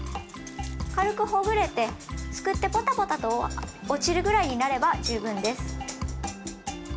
軽くほぐれてすくってポタポタと落ちるぐらいになれば十分です。